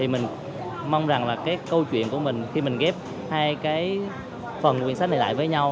mình mong rằng là câu chuyện của mình khi mình ghép hai phần quyển sách này lại với nhau